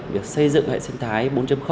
việc xây dựng hệ sinh thái bốn